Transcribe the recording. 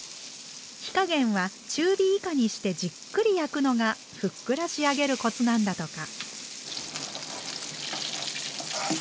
火加減は中火以下にしてじっくり焼くのがふっくら仕上げるコツなんだとか。